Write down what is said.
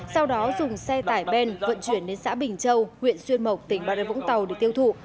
sau đó dùng xe tải ben vận chuyển đến xã bình châu huyện xuyên mộc tỉnh bà rê vũng tàu để tiêu thụ